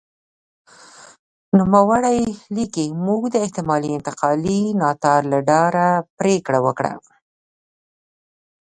نوموړی لیکي موږ د احتمالي انتقالي ناتار له ډاره پرېکړه وکړه.